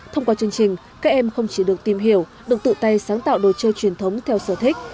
thông qua chương trình các em không chỉ được tìm hiểu được tự tay sáng tạo đồ chơi truyền thống theo sở thích